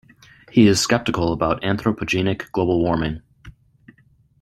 He is skeptical about anthropogenic global warming.